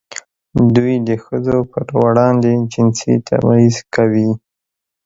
دوی د ښځو پر وړاندې جنسي تبعیض کوي.